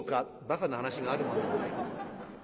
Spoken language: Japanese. バカな噺があるもんでございますが。